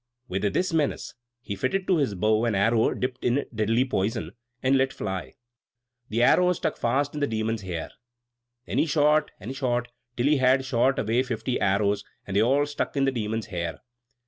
With this menace, he fitted to his bow an arrow dipped in deadly poison, and let fly. The arrow stuck fast in the Demon's hair. Then he shot and shot, till he had shot away fifty arrows; and they all stuck in the Demon's hair.